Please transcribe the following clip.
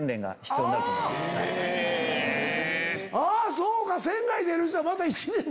そうか！